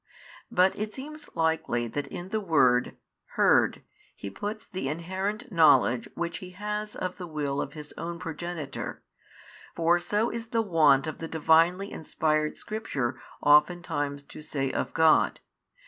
But it seems likely that in the word, heard, He puts the inherent knowledge which He has of the will of His own Progenitor, for so is the wont of the Divinely inspired Scripture oftentimes to say of God.